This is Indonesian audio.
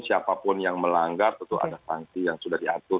siapapun yang melanggar tentu ada sanksi yang sudah diatur